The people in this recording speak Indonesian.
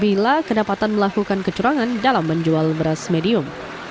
bila kedapatan melakukan kecurangan dalam menjual beras medium